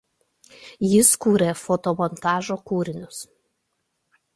Jis kūrė fotomontažo kūrinius.